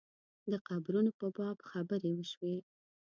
د قبرونو په باب خبرې وشوې.